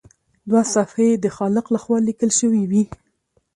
دوه صفحې یې د خالق لخوا لیکل شوي وي.